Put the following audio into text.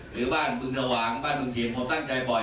หรือบ้านมึงดวางบ้านมึงหินผมสั้นใจป่อย